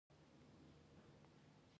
کلتور د افغانستان د صنعت لپاره مواد برابروي.